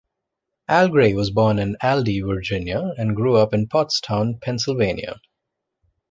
Al Grey was born in Aldie, Virginia and grew up in Pottstown, Pennsylvania.